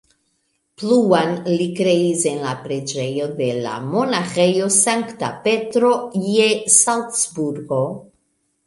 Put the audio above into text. Pluan li kreis en la preĝejo de la monaĥejo Sankta Petro je Salcburgo.